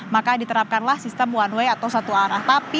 maka diterapkanlah sistem one way atau satu arah tapi